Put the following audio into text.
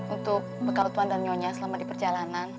untuk bekal tuan dan nyonya selama di perjalanan